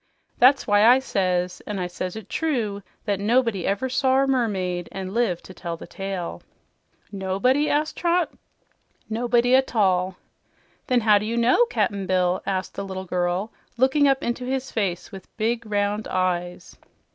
That's why I says, an' I says it true, that nobody never sawr a mermaid an' lived to tell the tale." "Nobody?" asked Trot. "Nobody a tall." "Then how do you know, Cap'n Bill?" asked the little girl, looking up into his face with big, round eyes.